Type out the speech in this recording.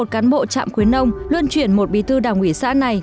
một cán bộ trạm khuyến nông luân chuyển một bí thư đảng ủy xã này